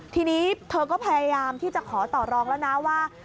ทีนี้เธอก็พยายามที่จะขอต่อรองแล้วนะว่า